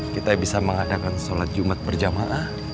kita bisa mengadakan sholat jumat berjamaah